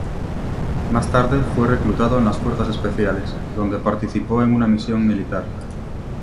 Más tarde, fue reclutado en las Fuerzas Especiales, donde participó en una misión militar.